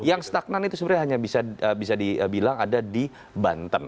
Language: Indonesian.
yang stagnan itu sebenarnya hanya bisa dibilang ada di banten